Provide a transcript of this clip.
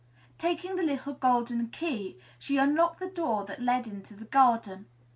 Taking the little golden key, she unlocked the door that led into the garden.